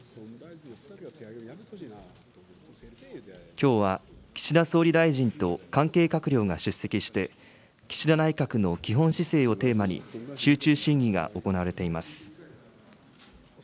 きょうは、岸田総理大臣と関係閣僚が出席して、岸田内閣の基本姿勢をテーマに集中審議が行われています。